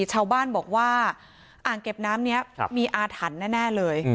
ชาวบ้านบอกว่าอ่างเก็บน้ำนี้มีอาถรรพ์แน่เลย